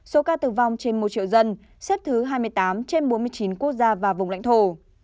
số ca tử vong trên một triệu dân xếp thứ hai mươi tám trên bốn mươi chín quốc gia và vùng lãnh thổ